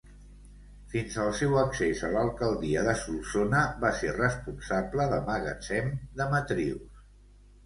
Fins al seu accés a l'alcaldia de Solsona, va ser responsable de magatzem de matrius.